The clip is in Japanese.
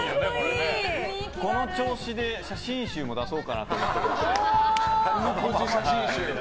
この調子で写真集も出そうかなと思って。